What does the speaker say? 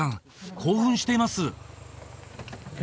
興奮しています